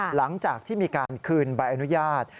หลังจากที่มีการคืนใบอนุญาต